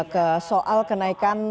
ke soal kenaikan